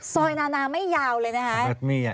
นานาไม่ยาวเลยนะคะ